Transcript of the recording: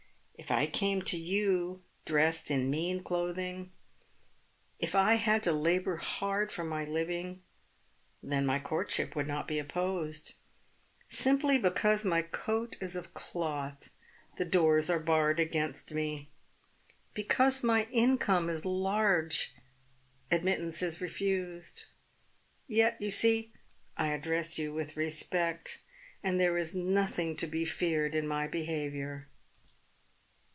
If I came to you dressed in mean clothing — if I had to labour hard for my living — then my courtship would not be oppose^. Simply be cause my coat is of cloth, the doors are barred against me. Because my income is large, admittance is refused. Yet you see I address you with respect, and there is nothing to be feared in my be haviour."